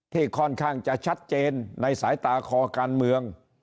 ที่ค่อนข้างจะชัดเจนในสายตาคอการเมือง